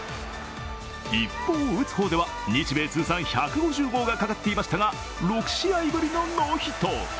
一方、打つ方では日米通算１５０号がかかっていましたが６試合ぶりのノーヒット。